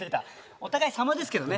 お互いさまですけどね。